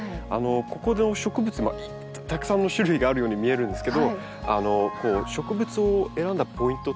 ここで植物たくさんの種類があるように見えるんですけど植物を選んだポイントっていうのはどういうところなんですか？